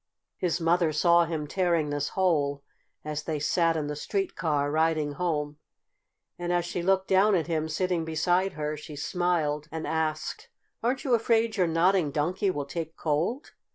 His mother saw him tearing this hole as they sat in the street car riding home, and as she looked down at him sitting beside her she smiled and asked: "Aren't you afraid your Nodding Donkey will take cold?"